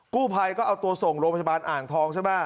กู้ภัยก็เอาตัวส่งโรงพยาบาลอ่างทองใช่ไหม